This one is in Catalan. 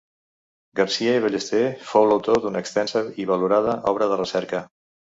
Garcia i Ballester fou autor d’una extensa i valorada obra de recerca.